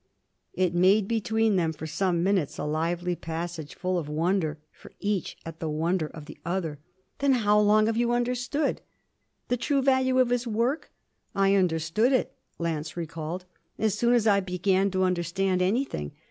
It made between them for some minutes a lively passage, full of wonder for each at the wonder of the other. 'Then how long have you understood ' 'The true value of his work? I understood it,' Lance recalled, 'as soon as I began to understand anything.